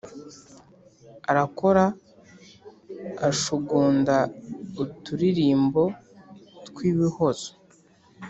arakora ashugunda uturirimbo twibihozo